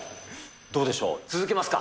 どうでしょう、続けますか？